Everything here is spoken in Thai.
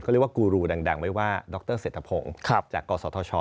เรียกว่ากูรูดังไม่ว่าดรเศรษฐพงศ์จากกศธช